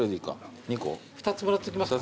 ２つもらっときますか。